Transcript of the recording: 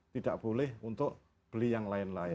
tidak boleh untuk beli yang lain lain